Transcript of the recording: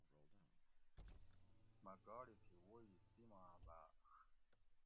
مٞہ گاڑی تھی ووئ تِیماٞ بھاٞݭ